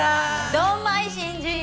ドンマイ新人。